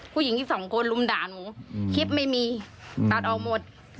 ผู้หญิงอีกสองคนลุมด่าหนูคลิปไม่มีตัดออกหมด